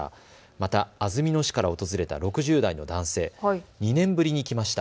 また安曇野市から訪れた６０代の男性は、２年ぶりに来ました。